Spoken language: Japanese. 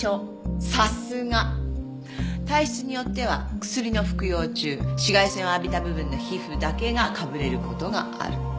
さすが！体質によっては薬の服用中紫外線を浴びた部分の皮膚だけがかぶれる事がある。